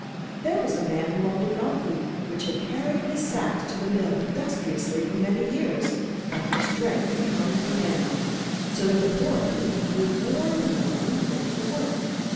There was a man who owned a donkey, which had carried his sacks to the mill industriously for many years, but whose strength had come to an end, so that the poor beast grew more and more unfit for work.